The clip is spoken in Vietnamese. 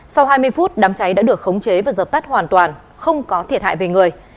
sau hai mươi phút đám cháy đã được khống chế và dập tắt hoàn toàn không có thiệt hại về người